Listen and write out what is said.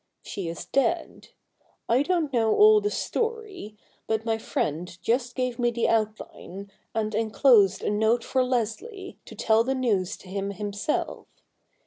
She is dead. I don't know all the story ; but my friend just gave me the outline, and enclosed a note for Leslie, to tell the news to him himself.